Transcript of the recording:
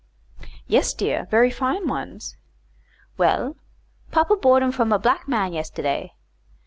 "Yes, dear; very fine ones." "Well, papa bought 'em from a black man yesterday.